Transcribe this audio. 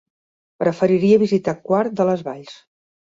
Preferiria visitar Quart de les Valls.